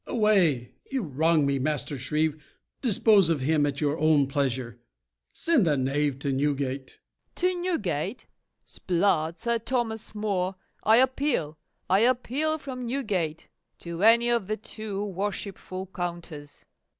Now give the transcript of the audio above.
Away! You wrong me, Master Shrieve: dispose of him At your own pleasure; send the knave to Newgate. FAULKNER. To Newgate! 'sblood, Sir Thomas More, I appeal, I appeal from Newgate to any of the two worshipful Counters.